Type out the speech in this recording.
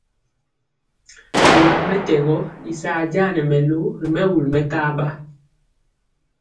Bilaŋ mɛtɛgɔ i saa ja nɛ mɛlu ri mɛwul mɛkaɓa.